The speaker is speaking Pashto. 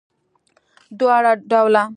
دواړه ډوله